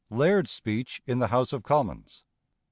Laird's Speech in the House of Commons.